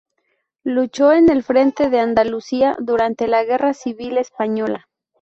Luchó en el frente de Andalucía durante la Guerra Civil Española.